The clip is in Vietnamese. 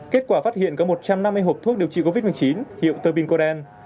kết quả phát hiện có một trăm năm mươi hộp thuốc điều trị covid một mươi chín hiệu terpinkoden